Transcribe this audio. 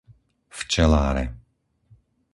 Včeláre